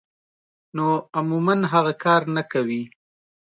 نو عموماً هغه کار نۀ کوي -